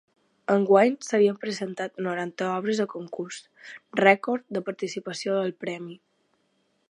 Enguany s’havien presentat noranta obres a concurs, rècord de participació del premi.